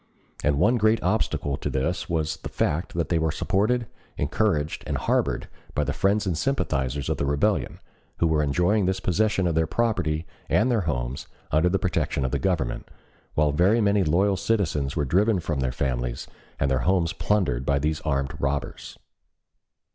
And one great obstacle to this was the fact that they were supported, encouraged, and harbored by the friends and sympathizers of the rebellion, who were enjoying the possession of their property and their homes under the protection of the Government, while very many loyal citizens were driven from their families, and their homes plundered by these armed robbers.